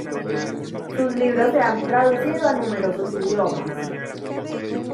Sus libros se han traducido a numerosos idiomas.